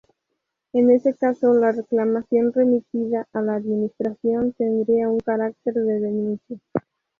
En ese caso, la reclamación remitida a la administración tendría un carácter de denuncia.